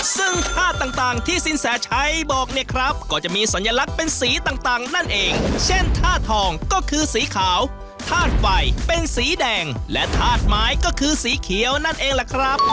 ซึ่งธาตุต่างที่สินแสชัยบอกเนี่ยครับก็จะมีสัญลักษณ์เป็นสีต่างนั่นเองเช่นธาตุทองก็คือสีขาวธาตุไฟเป็นสีแดงและธาตุไม้ก็คือสีเขียวนั่นเองล่ะครับ